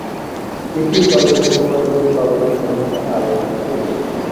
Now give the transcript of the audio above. এটিই দলের প্রথমবারের মতো সর্বনিম্ন স্থানে আরোহণ ছিল না।